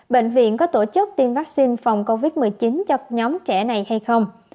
bệnh viện có tổ chức tiêm vaccine phòng covid một mươi chín cho nhóm trẻ này hay không